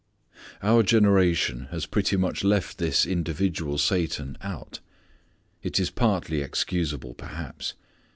Our generation has pretty much left this individual Satan out. It is partly excusable perhaps.